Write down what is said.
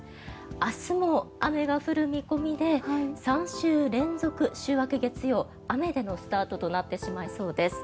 明日も雨が降る見込みで３週連続、週明け月曜雨でのスタートとなってしまいそうです。